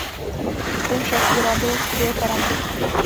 Ten však vyrábělo studio Paramount.